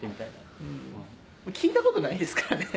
聞いたことないですからね。